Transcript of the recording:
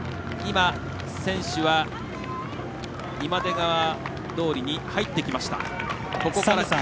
選手は今出川通に入ってきました。